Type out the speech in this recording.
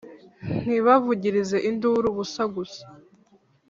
Ntibavugirize induru ubusa gusa